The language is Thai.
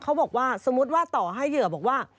เขาบอกว่าสมมุติว่าต่อให้เหยื่อบอกว่า